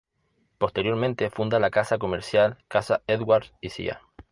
Posteriormente funda la casa comercial "Casa Edwards y Cía.